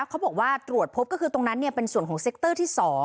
เขาบอกว่าตรวจพบก็คือตรงนั้นเป็นส่วนของเซ็กเตอร์ที่๒